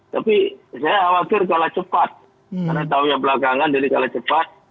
tapi saya khawatir kalah cepat karena tahunya belakangan jadi kalah cepat